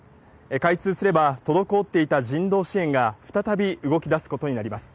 開通すれば、滞っていた人道支援が再び動きだすことになります。